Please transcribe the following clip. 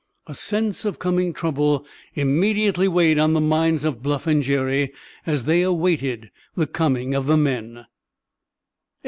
A sense of coming trouble immediately weighed on the minds of Bluff and Jerry, as they awaited the coming of the men.